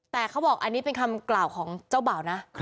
แต่เขาบอกอันนี้เป็นคำกล่าวของเจ้าบ่าวนะ